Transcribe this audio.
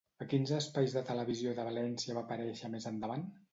A quins espais de la televisió de València va aparèixer més endavant?